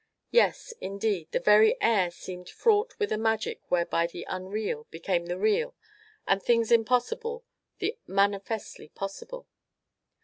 Yes, indeed, the very air seemed fraught with a magic whereby the unreal became the real and things impossible the manifestly possible.